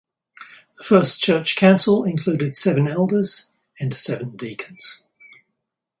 The first church council included seven elders and seven deacons.